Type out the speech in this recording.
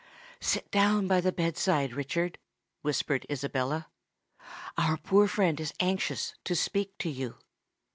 "Sit down by the bed side, Richard," whispered Isabella: "our poor friend is anxious to speak to you."